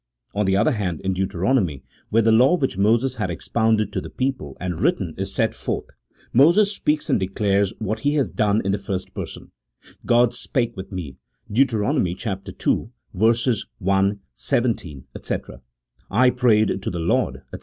On the other hand, in Deuteronomy, where the law winch Moses had expounded to the people and written is set forth, Moses speaks and declares what he has done in the first person: "God spake with me" (Deut. ii. 1, 17, &c), "I prayed to the Lord," &c.